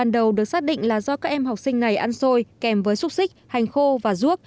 đầu được xác định là do các em học sinh này ăn xôi kèm với xúc xích hành khô và ruốc